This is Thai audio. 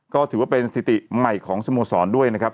ก็ถือว่าเป็นสถิติใหม่ของสโมสรด้วยนะครับ